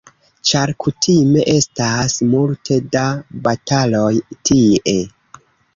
Ĉar kutime estas multe da bataloj tie.